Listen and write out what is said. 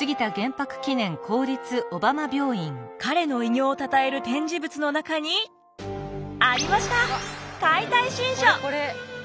彼の偉業をたたえる展示物の中にありました「解体新書」！